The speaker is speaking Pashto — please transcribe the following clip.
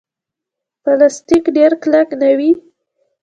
پلاستيک ډېر کلک نه وي.